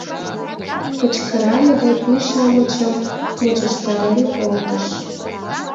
— кычкырале да пий-шамычым мучыштарен колтыш.